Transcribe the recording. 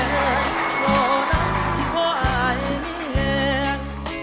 โทนังพ่ออายไม่แห่ง